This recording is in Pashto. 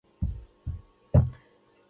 آیا دوی د عامه ټرانسپورټ وده نه غواړي؟